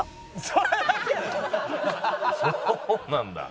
そうなんだ。